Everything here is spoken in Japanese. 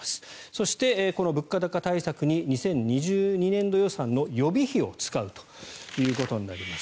そして、この物価高対策に２０２２年度予算の予備費を使うということになります。